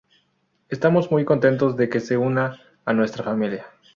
Estamos muy contentos de que se una a nuestra familia".